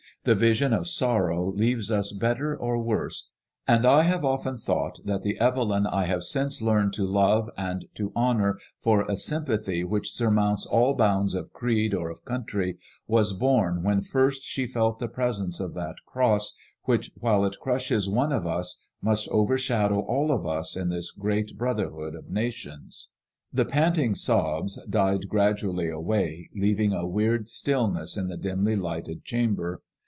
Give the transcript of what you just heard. The vision of sorrow leaves us better or worse/ and I have often thought that the Evelyn I have since learned to love and to honour for a sym pathy which surmounts all bounds of creed or of country^ was bom when first she felt the presence of that cross which, while it crushes one of us, must overshadow all of us in this great brotherhood of nations. 12 174 MADSMOISKLLE IXS. The panting sobs died gradu« ally away, leaving a weird still ness in the dimly lighted chamber.